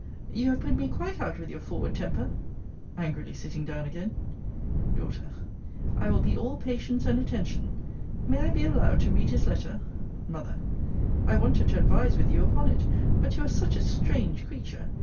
You have put me quite out with your forward temper! [angrily sitting down again.] D. I will be all patience and attention. May I be allowed to read his letter? M. I wanted to advise with you upon it. But you are such a strange creature!